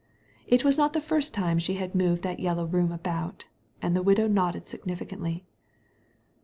It was not the firsf time she had moved that yellow room about," and the widow nodded significantly.